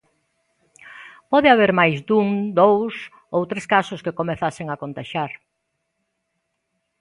Pode haber máis dun, dous ou tres casos que comezasen a contaxiar.